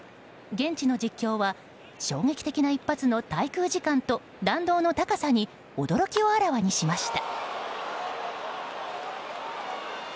現地の実況は衝撃的な一発の滞空時間と弾道の高さに驚きをあらわにしました。